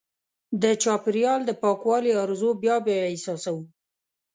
د چاپېریال د پاکوالي ارزو بیا بیا احساسوو.